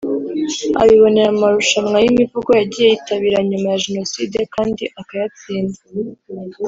abibonera mu marushanwa y’imivugo yagiye yitabira nyuma ya Jenoside kandi akayatsinda